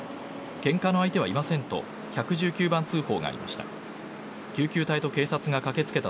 けんかの相手はいませんと１１９番通報がありました。